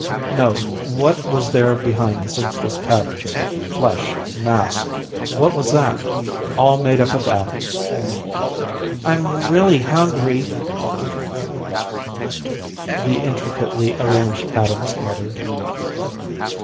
No, what was there behind the senseless patterns? Flesh, mass. What was that? All made up of atoms. "I'm really hungry," the intricately arranged atoms muttered.